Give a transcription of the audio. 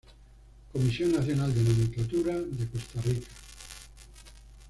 Comisión Nacional de Nomenclatura de Costa Rica.